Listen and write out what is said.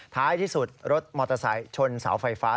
ท้ายที่สุดรถมอเตอร์ไซค์ชนเสาไฟฟ้า